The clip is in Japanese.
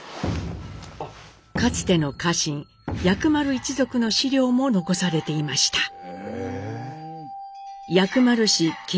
かつての家臣薬丸一族の史料も残されていました。